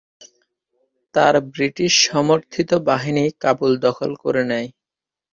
তার ব্রিটিশ সমর্থিত বাহিনী কাবুল দখল করে নেয়।